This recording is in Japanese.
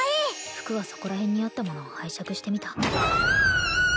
服はそこら辺にあったものを拝借してみたキャーッ！